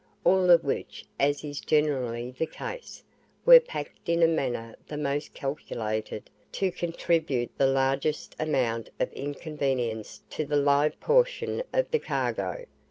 all of which, as is generally the case, were packed in a manner the most calculated to contribute the largest amount of inconvenience to the live portion of the cargo.